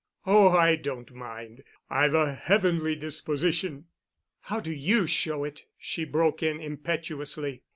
"Oh, I don't mind. I've a heavenly disposition." "How do you show it?" she broke in impetuously.